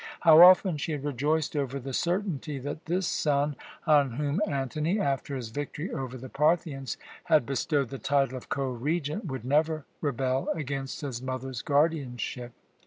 How often she had rejoiced over the certainty that this son, on whom Antony, after his victory over the Parthians, had bestowed the title of Co Regent, would never rebel against his mother's guardianship!